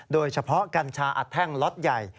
โดยเฉพาะกัญชาอัดแท่งล็อตใหญ่